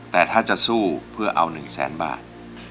แต่ถ้าจะสู้เพื่อเอา๑แสนบาท